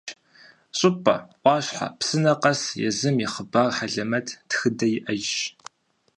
Щӏыпӏэ, ӏуащхьэ, псынэ къэс езым и хъыбар хьэлэмэт, тхыдэ иӏэжщ.